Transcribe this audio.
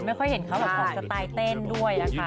ไม่ค่อยเห็นเขาแบบออกสไตล์เต้นด้วยค่ะ